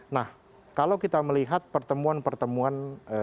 nah kalau kita melihat pertemuan pertemuan